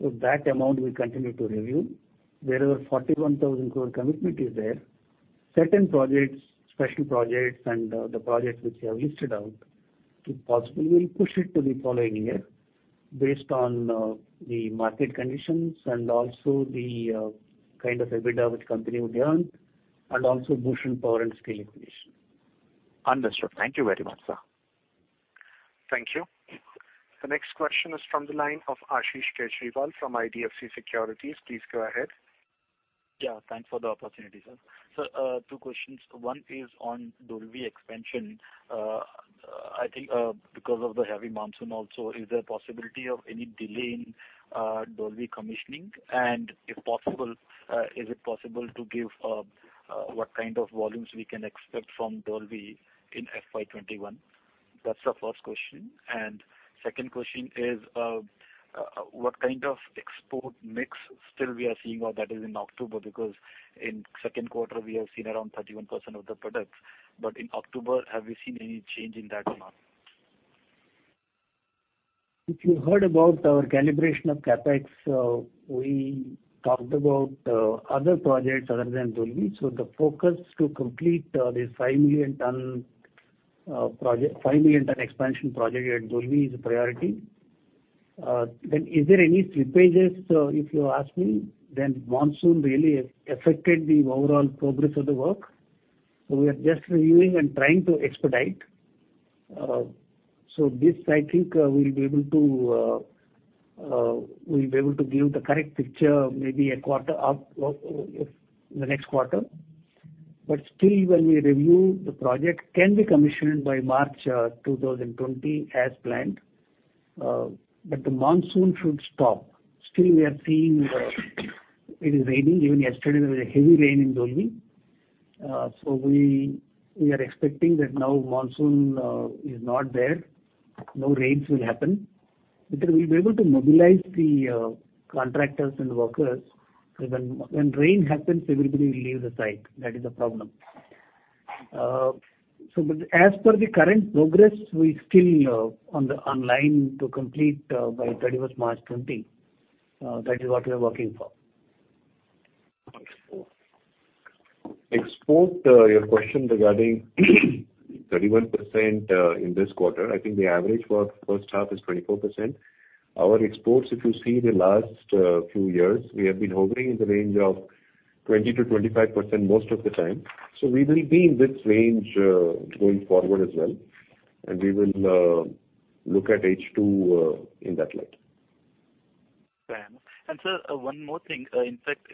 That amount will continue to review. Wherever 41,000 crore commitment is there, certain projects, special projects, and the projects which we have listed out, it possibly will push it to the following year based on the market conditions and also the kind of EBITDA which company would earn, and also Bhushan Power and Steel acquisition. Understood. Thank you very much, sir. Thank you. The next question is from the line of Ashish Kejriwal from IDFC Securities. Please go ahead. Yeah. Thanks for the opportunity, sir. Sir, two questions. One is on Dolvi expansion. I think because of the heavy monsoon also, is there a possibility of any delay in Dolvi commissioning? If possible, is it possible to give what kind of volumes we can expect from Dolvi in FY2021? That's the first question. The second question is what kind of export mix still we are seeing or that is in October? Because in the second quarter, we have seen around 31% of the products. In October, have we seen any change in that or not? If you heard about our calibration of CapEx, we talked about other projects other than Dolvi. The focus to complete this 5 million ton expansion project at Dolvi is a priority. Is there any slippages? If you ask me, monsoon really affected the overall progress of the work. We are just reviewing and trying to expedite. I think we'll be able to give the correct picture maybe in the next quarter. But still, when we review the project, it can be commissioned by March 2020 as planned. The monsoon should stop. Still, we are seeing it is raining. Even yesterday, there was a heavy rain in Dolvi. We are expecting that now monsoon is not there. No rains will happen. We will be able to mobilize the contractors and workers. When rain happens, everybody will leave the site. That is the problem. As per the current progress, we're still on the line to complete by 31st March 2020. That is what we are working for. Export, your question regarding 31% in this quarter, I think the average for first half is 24%. Our exports, if you see the last few years, we have been hovering in the range of 20-25% most of the time. We will be in this range going forward as well. We will look at H2 in that light. Sir, one more thing. In fact,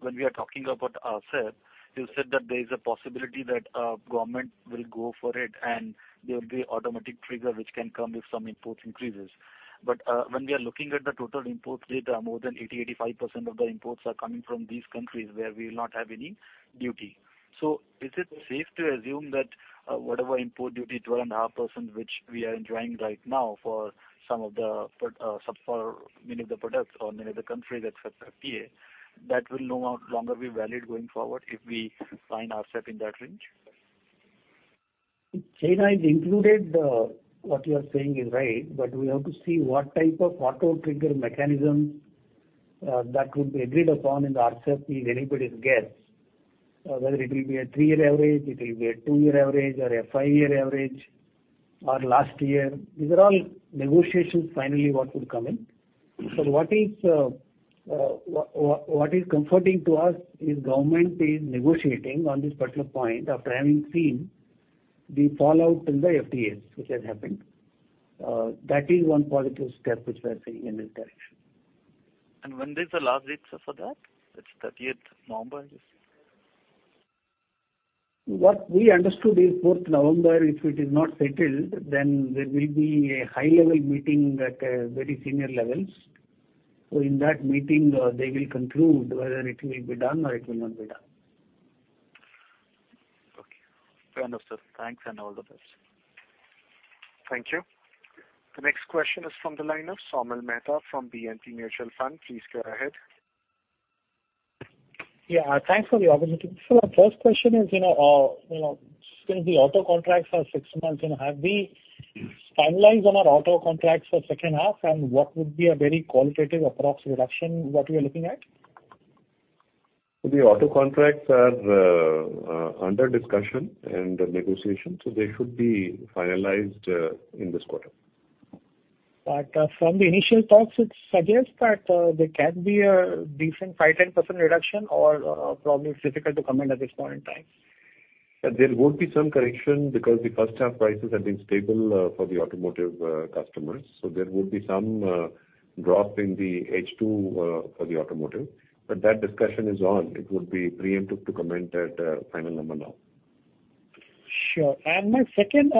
when we are talking about RCEP, you said that there is a possibility that government will go for it, and there will be automatic trigger which can come if some imports increases. When we are looking at the total imports data, more than 80-85% of the imports are coming from these countries where we will not have any duty. Is it safe to assume that whatever import duty, 12.5%, which we are enjoying right now for some of the sub for many of the products or many of the countries except FDA, that will no longer be valid going forward if we find RCEP in that range? Jayant, included what you are saying is right, but we have to see what type of auto trigger mechanisms that would be agreed upon in RCEP if anybody gets, whether it will be a three-year average, it will be a two-year average, or a five-year average, or last year. These are all negotiations finally what would come in. What is comforting to us is government is negotiating on this particular point after having seen the fallout in the FTAs, which has happened. That is one positive step which we are seeing in this direction. When is the last date for that? It's 30th November, I just. What we understood is 4th November. If it is not settled, then there will be a high-level meeting at very senior levels. In that meeting, they will conclude whether it will be done or it will not be done. Okay. Understood.Thanks and all the best. Thank you. The next question is from the line of Saumil Mehta from BNP Paribas Mutual Fund. Please go ahead. Yeah. Thanks for the opportunity. Sir, my first question is, since the auto contracts are six months in a half, we finalize on our auto contracts for second half, and what would be a very qualitative approximate reduction what we are looking at? The auto contracts are under discussion and negotiation, they should be finalized in this quarter. From the initial talks, it suggests that there can be a decent 5-10% reduction or probably it's difficult to comment at this point in time. There would be some correction because the first half prices have been stable for the automotive customers. There would be some drop in the H2 for the automotive. That discussion is on. It would be preemptive to comment at final number now. Sure. My second,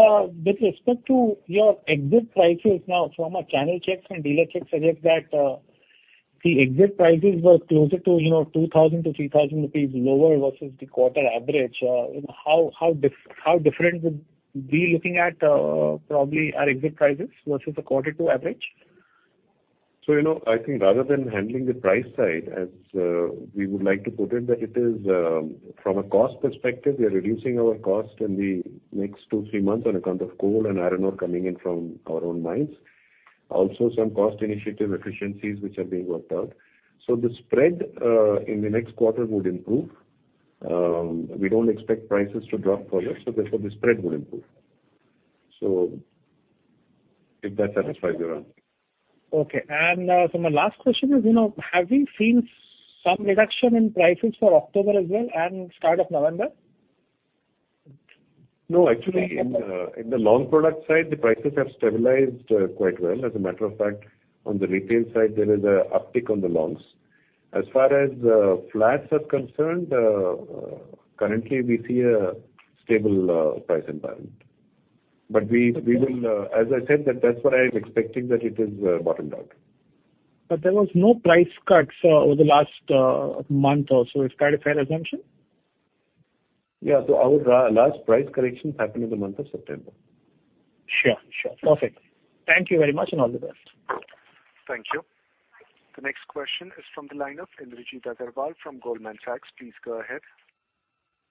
with respect to your exit prices now, from our channel checks and dealer checks, I guess that the exit prices were closer to 2,000-3,000 rupees lower versus the quarter average. How different would we looking at probably our exit prices versus a quarter to average? I think rather than handling the price side, as we would like to put it, that it is from a cost perspective, we are reducing our cost in the next two-three months on account of coal and iron ore coming in from our own mines. Also, some cost initiative efficiencies which are being worked out. The spread in the next quarter would improve. We do not expect prices to drop further. Therefore, the spread would improve. If that satisfies your answer. Okay. My last question is, have we seen some reduction in prices for October as well and start of November? No, actually, in the long product side, the prices have stabilized quite well. As a matter of fact, on the retail side, there is an uptick on the longs. As far as flats are concerned, currently we see a stable price environment. I am expecting that it is bottomed out. There was no price cut over the last month or so. Is that a fair assumption? Yeah. Our last price corrections happened in the month of September. Sure. Sure. Perfect. Thank you very much and all the best. Thank you. The next question is from the line of Indrajit Agarwal from Goldman Sachs. Please go ahead.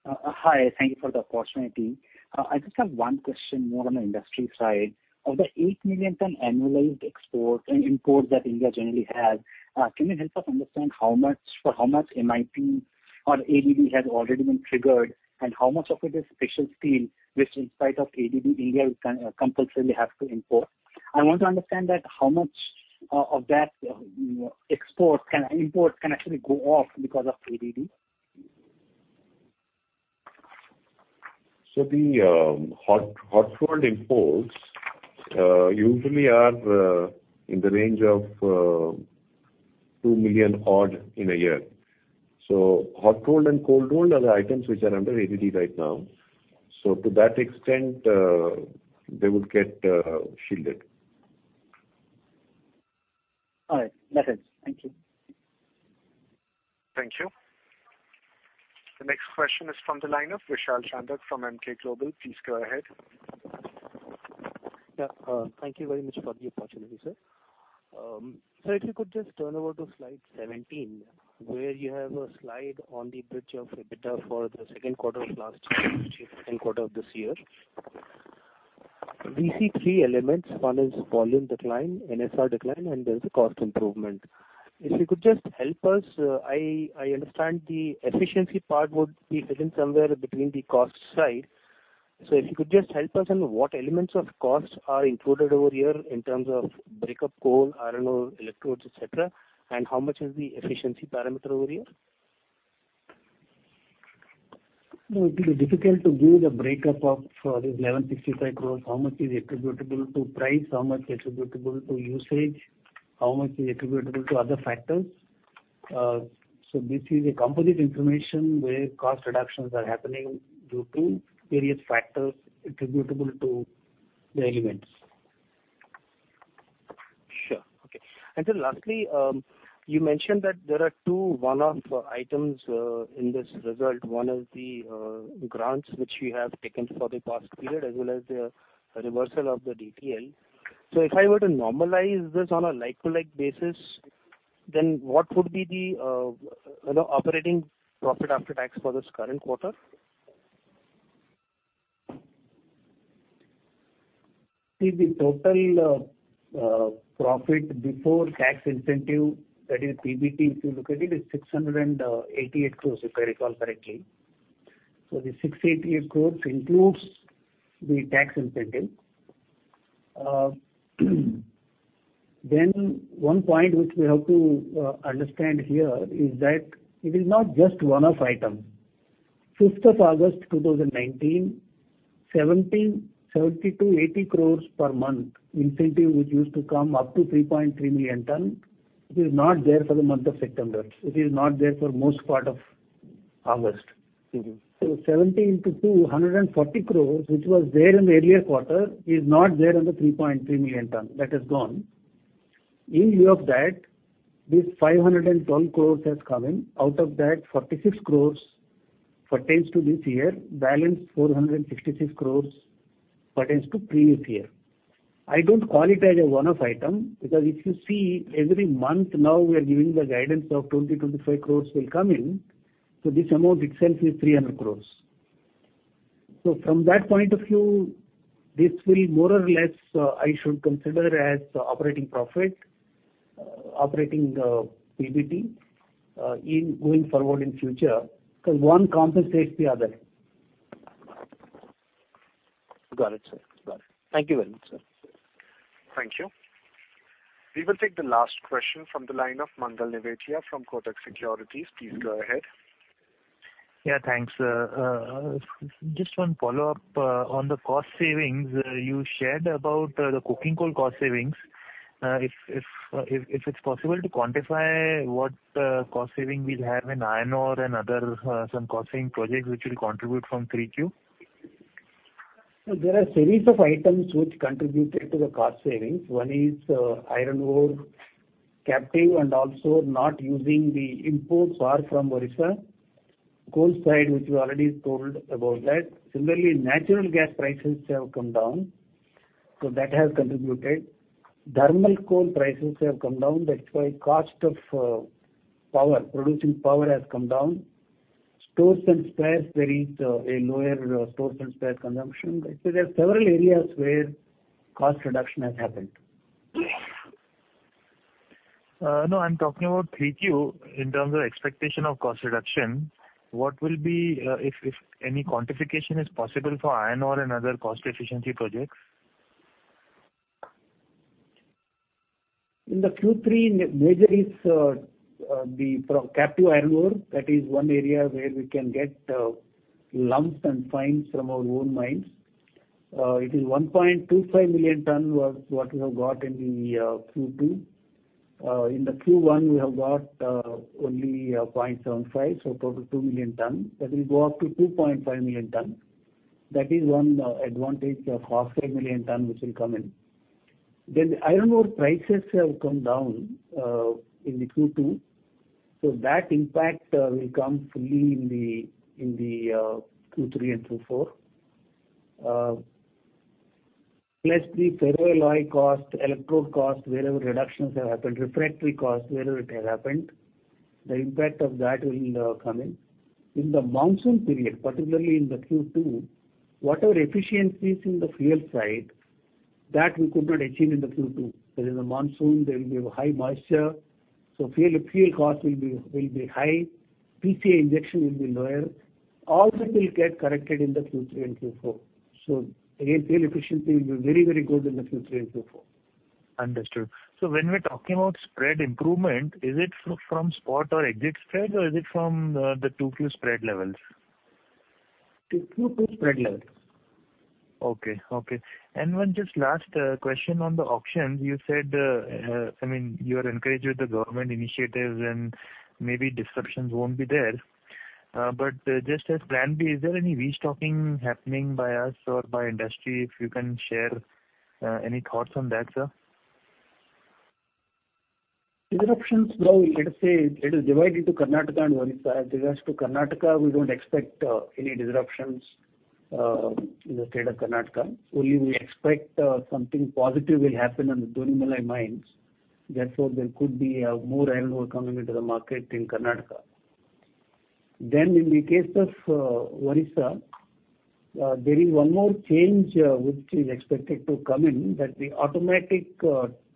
Hi. Thank you for the opportunity. I just have one question more on the industry side. Of the 8 million ton annualized imports that India generally has, can you help us understand for how much MIP or ADD has already been triggered and how much of it is special steel, which in spite of ADD, India will compulsorily have to import? I want to understand that how much of that exports can actually go off because of ADD? So, The hot rolled imports usually are in the range of 2 million odd in a year. Hot rolled and cold rolled are the items which are under ADD right now. To that extent, they would get shielded. All right. That helps. Thank you. Thank you. The next question is from the line of Vishal Chandak from Emkay Global. Please go ahead. Yeah. Thank you very much for the opportunity, sir. Sir, if you could just turn over to slide 17, where you have a slide on the bridge of EBITDA for the second quarter of last year, second quarter of this year. We see three elements. One is volume decline, NSR decline, and there is a cost improvement. If you could just help us, I understand the efficiency part would be hidden somewhere between the cost side. If you could just help us on what elements of cost are included over here in terms of breakup coal, iron ore, electrodes, etc., and how much is the efficiency parameter over here? It would be difficult to give the breakup of these 1,165 crores. How much is attributable to price? How much is attributable to usage? How much is attributable to other factors? This is a composite information where cost reductions are happening due to various factors attributable to the elements. Sure. Okay. Lastly, you mentioned that there are two one-off items in this result. One is the grants which you have taken for the past period as well as the reversal of the DTL. If I were to normalize this on a like-to-like basis, what would be the operating profit after tax for this current quarter? See, the total profit before tax incentive, that is PBT, if you look at it, is 688 crores, if I recall correctly. The 688 crores includes the tax incentive. One point which we have to understand here is that it is not just a one of item. 5th of August 2019, 70-80 crores per month incentive which used to come up to 3.3 million ton, which is not there for the month of September. It is not there for most part of August. Seventy into two, 140 crores, which was there in the earlier quarter, is not there under 3.3 million ton. That has gone. In view of that, this 512 crores has come in. Out of that, 46 crores pertains to this year. Balance 466 crores pertains to previous year. I do not call it as a one-off item because if you see every month now we are giving the guidance of 2,025 crores will come in. So this amount itself is 300 crores. From that point of view, this will more or less I should consider as operating profit, operating PBT in going forward in future because one compensates the other. Got it, sir. Got it. Thank you very much, sir. Thank you. We will take the last question from the line of Sumangal Nevatia from Kotak Securities. Please go ahead. Yeah. Thanks. Just one follow-up on the cost savings you shared about the coking coal cost savings. If it's possible to quantify what cost saving we'll have in iron ore and other some cost-saving projects which will contribute from 3Q? There are a series of items which contributed to the cost savings. One is iron ore captive and also not using the imports are from Odisha. Coal side, which we already told about that. Similarly, natural gas prices have come down. That has contributed. Thermal coal prices have come down. That's why cost of power, producing power has come down. Stores and spares, there is a lower stores and spares consumption. There are several areas where cost reduction has happened. No, I'm talking about 3Q in terms of expectation of cost reduction. What will be if any quantification is possible for iron ore and other cost efficiency projects? In the Q3, major is the captive iron ore. That is one area where we can get lumps and fines from our own mines. It is 1.25 million ton was what we have got in the Q2. In the Q1, we have got only 0.75, so total 2 million ton. That will go up to 2.5 million ton. That is one advantage of 500,000 ton which will come in. Iron ore prices have come down in the Q2. That impact will come fully in the Q3 and Q4. Plus the ferroalloy cost, electrode cost, wherever reductions have happened, refractory cost, wherever it has happened, the impact of that will come in. In the monsoon period, particularly in the Q2, whatever efficiencies in the fuel side, that we could not achieve in the Q2. Because in the monsoon, there will be high moisture. Fuel cost will be high. PCI injection will be lower. All that will get corrected in Q3 and Q4. Again, fuel efficiency will be very, very good in Q3 and Q4. Understood. When we're talking about spread improvement, is it from spot or exit spread, or is it from the 2Q spread levels? 2Q spread levels. Okay. Okay. Just last question on the auctions. You said, I mean, you are encouraged with the government initiatives and maybe disruptions won't be there. Just as plan B, is there any restocking happening by us or by industry? If you can share any thoughts on that, sir. Disruptions, let us say it is divided to Karnataka and Odisha. As to Karnataka, we don't expect any disruptions in the state of Karnataka. Only we expect something positive will happen in the Donimalai mines. Therefore, there could be more iron ore coming into the market in Karnataka. In the case of Odisha, there is one more change which is expected to come in, that the automatic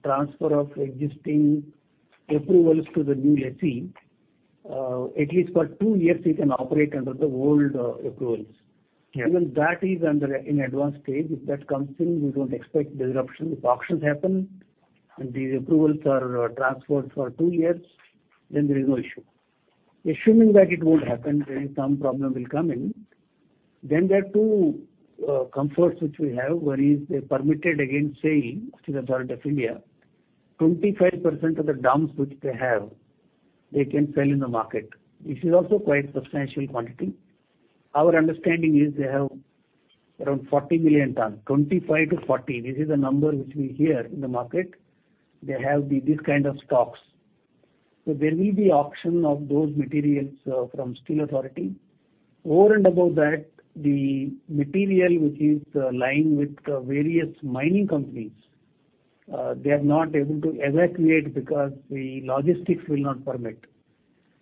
transfer of existing approvals to the new lessee, at least for two years, we can operate under the old approvals. Even that is in advanced stage. If that comes in, we do not expect disruption. If auctions happen and these approvals are transferred for two years, then there is no issue. Assuming that it will not happen, there is some problem will come in. There are two comforts which we have, one is they permitted against sale to Steel Authority of India Ltd. 25% of the dumps which they have, they can sell in the market. This is also quite substantial quantity. Our understanding is they have around 40 million ton. 25-40. This is the number which we hear in the market. They have these kind of stocks. There will be auction of those materials from Steel Authority of India Ltd. Over and above that, the material which is lying with various mining companies, they are not able to evacuate because the logistics will not permit.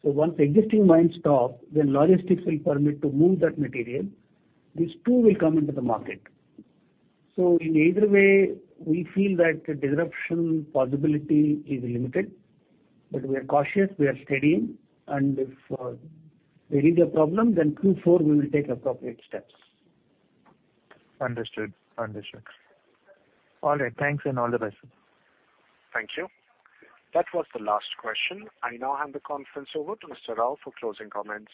Once existing mines stop, logistics will permit to move that material. These two will come into the market. In either way, we feel that the disruption possibility is limited. We are cautious. We are steady. If there is a problem, Q4 we will take appropriate steps. Understood. Understood. All right. Thanks and all the best. Thank you. That was the last question. I now hand the conference over to Mr. Rao for closing comments.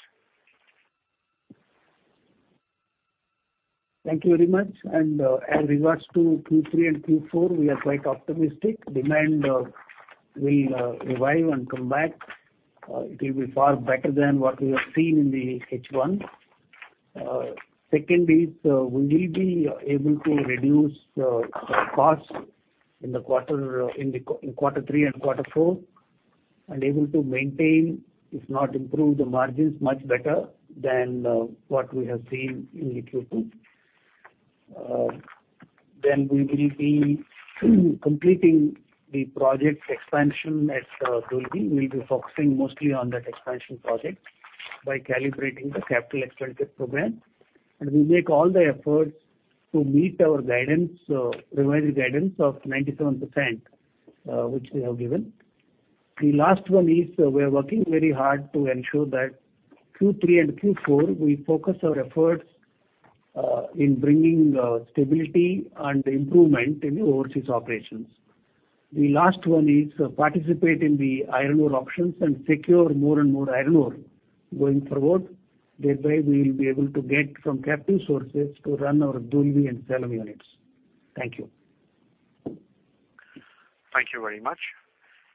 Thank you very much. In regards to Q3 and Q4, we are quite optimistic. Demand will revive and come back. It will be far better than what we have seen in the H1. Second is we will be able to reduce costs in the quarter in quarter three and quarter four and able to maintain, if not improve, the margins much better than what we have seen in the Q2. We will be completing the project expansion at Dolvi. We will be focusing mostly on that expansion project by calibrating the capital expenditure program. We make all the efforts to meet our revised guidance of 97%, which we have given. The last one is we are working very hard to ensure that Q3 and Q4, we focus our efforts in bringing stability and improvement in the overseas operations. The last one is participate in the iron ore auctions and secure more and more iron ore going forward. Thereby, we will be able to get from captive sources to run our Dolvi and Salem units. Thank you. Thank you very much.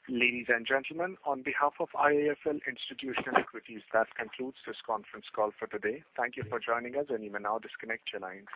Ladies and gentlemen, on behalf of IIFL Institutional Equities, that concludes this conference call for today. Thank you for joining us, and you may now disconnect your lines.